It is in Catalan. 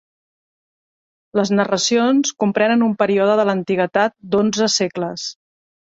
Les narracions comprenen un període de l'antiguitat d'onze segles.